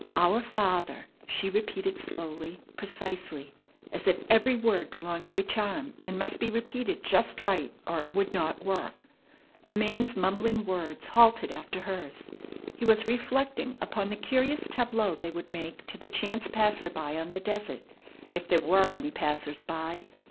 "Our Father," she repeated slowly, precisely, as if every word belonged to a charm and must be repeated just right or it would not work. The man's mumbling words halted after hers. He was reflecting upon the curious tableau they would make to the chance passer by on the desert if there were any passers by.